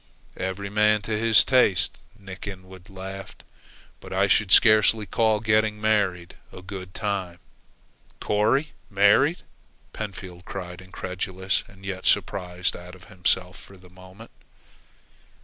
"Every man to his taste," Nick Inwood laughed; "but I should scarcely call getting married a good time." "Corry married!" Pentfield cried, incredulous and yet surprised out of himself for the moment.